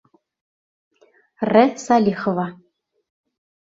Р. СӘЛИХОВА.